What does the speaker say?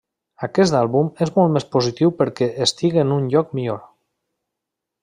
Aquest àlbum és molt més positiu perquè estic en un lloc millor.